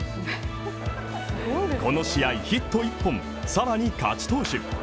この試合ヒット１本、更に勝ち投手。